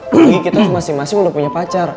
lagi kita tuh masing masing udah punya pacar